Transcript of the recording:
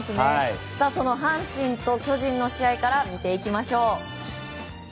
阪神と巨人の試合から見ていきましょう。